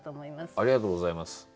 ありがとうございます。